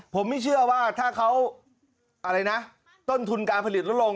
ผมไม่เชื่อว่าถ้าเขาอะไรนะต้นทุนการผลิตลดลง